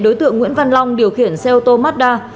đối tượng nguyễn văn long điều khiển xe ô tô mazda